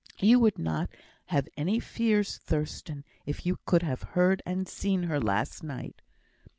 You would not have had any fears, Thurstan, if you could have heard and seen her last night."